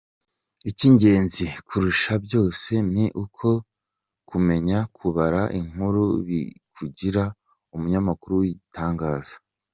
Icy’ingenzi kurusha byose ni uko kumenya kubara inkuru bikugira umunyamakuru w’igitangaza.